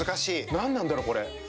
何なんだろう、これ。